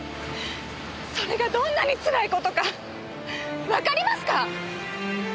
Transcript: それがどんなにつらい事かわかりますか！？